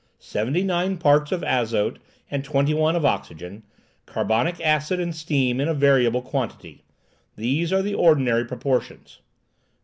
Seventy nine parts of azote and twenty one of oxygen, carbonic acid and steam in a variable quantity. These are the ordinary proportions."